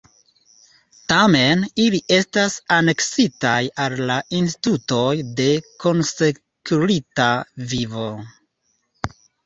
Tamen ili estas aneksitaj al la institutoj de konsekrita vivo.